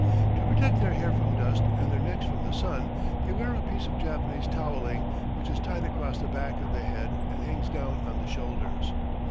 To protect their hair from dust and their necks from the sun, they wear a piece of Japanese toweling, which is tied across the back of the head and hangs down on the shoulders.